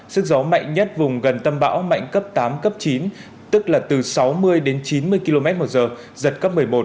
sức gió mạnh nhất vùng gần tâm bão mạnh cấp tám cấp chín tức là từ sáu mươi đến chín mươi km một giờ giật cấp một mươi một